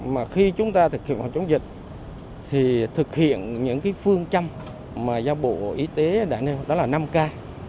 mà khi chúng ta thực hiện hoạt động chống dịch thì thực hiện những phương châm mà do bộ y tế đã nêu đó là năm ca